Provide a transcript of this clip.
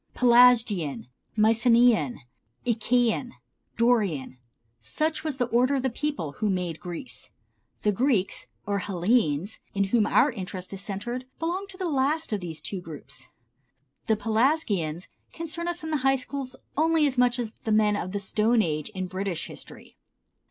Pelasgian, Mycenean, Achæan, Dorian, such was the order of the peoples who made Greece. The Greeks, or Hellenes, in whom our interest is centered, belong to the two last of these groups. The Pelasgians concern us in the high schools only as much as the men of the stone age in British history.